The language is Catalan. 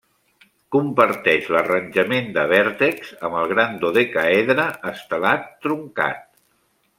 Comparteix l'arranjament de vèrtexs amb el gran dodecàedre estelat truncat.